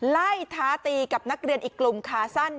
ท้าตีกับนักเรียนอีกกลุ่มขาสั้น